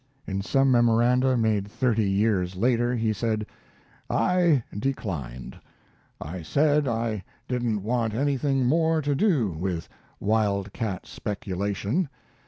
In some memoranda made thirty years later he said: I declined. I said I didn't want anything more to do with wildcat speculation.